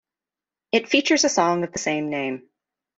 It features a song of the same name.